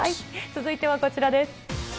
続いてはこちらです。